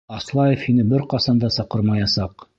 Аслаев һине бер ҡасан да саҡырмаясаҡ!